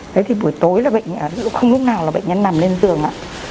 đấy thì buổi tối là không lúc nào là bệnh nhân nằm lên giường